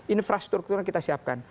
infrastrukturnya kita siapkan